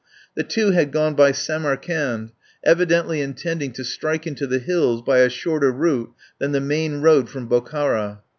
The two had gone by Samarkand, evidently intending to strike into the hills by a shorter route than the main road from Bokhara.